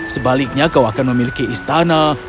sebaliknya kau akan memiliki istana pelayan dan banyak lagi